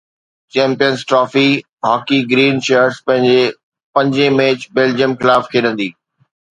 champions trophy hockey green shirts پنهنجي پنجين match Belgium خلاف کيڏندي